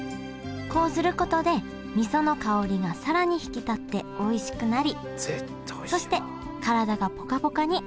こうすることでみその香りが更に引き立っておいしくなりそして体がポカポカに温まります